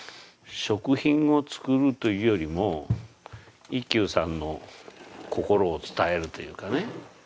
食品を作るというよりも一休さんの心を伝えるというかね。